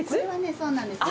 そうなんですよ。